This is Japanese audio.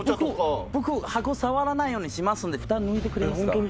僕箱触らないようにしますんでふた抜いてくれますか？